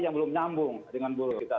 yang belum nyambung dengan buruh kita